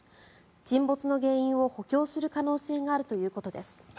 沈没の原因を補強する可能性があるということです。